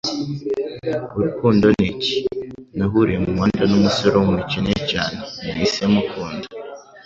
Urukundo ni iki? Nahuriye mumuhanda n umusore wumukene cyane nahise mukunda.